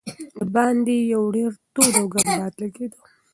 د باندې یو ډېر تود او ګرم باد لګېده.